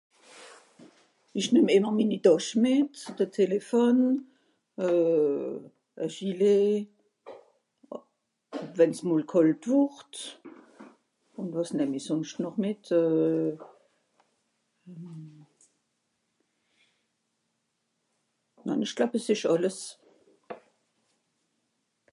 esch nehm ìmmer minni Tàsch mìt de Telephone euhh a Gilet wenn's mol kàlt wurt un wàs nemmi sonscht noch mìt euhh esch glueb es esch àlles